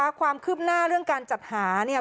ความคืบหน้าเรื่องการจัดหาเนี่ย